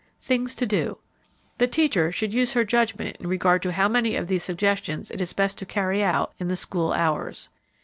Things to Do. The teacher should use her judgment in regard to how many of these suggestions it is best to carry out in the school hours.